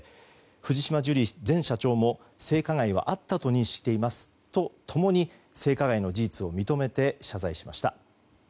藤島ジュリー前社長も性加害はあったと認識していますと性加害の事実を認めて謝罪しました。